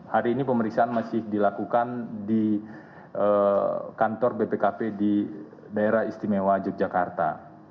hari ini pemeriksaan masih dilakukan di kantor bpkp di daerah istimewa yogyakarta